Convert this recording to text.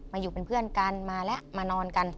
อยู่เป็นเพื่อนกันมาแล้วมานอนกัน